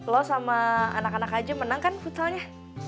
lo sama anak anak aja menang kan futsalnya